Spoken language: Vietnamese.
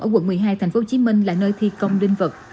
ở quận một mươi hai tp hcm là nơi thi công linh vật